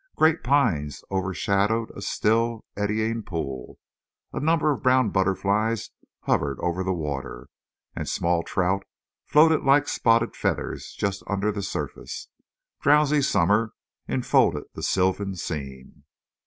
Great pines overshadowed a still, eddying pool. A number of brown butterflies hovered over the water, and small trout floated like spotted feathers just under the surface. Drowsy summer enfolded the sylvan scene.